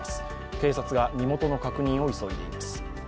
警察が身元の確認を急いでいます。